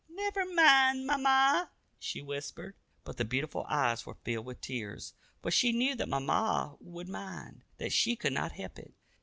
"Never mind, mamma," she whispered; but the beautiful eyes were filled with tears, for she knew that mamma would mind that she could not help it.